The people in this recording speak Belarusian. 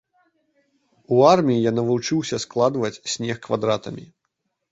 У арміі я навучыўся складваць снег квадратамі.